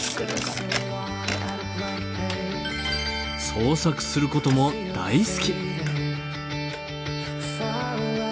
創作することも大好き。